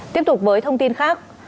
tiếp tục với thông tin khác